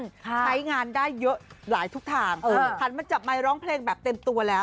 ใช้งานได้เยอะหลายทุกทางหันมาจับไมค์ร้องเพลงแบบเต็มตัวแล้ว